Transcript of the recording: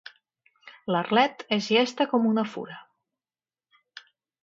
L'Arlet és llesta com una fura.